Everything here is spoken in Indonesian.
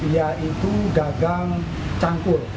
dan menggunakan benda tumpul